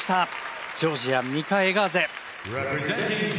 ジョージアニカ・エガーゼ。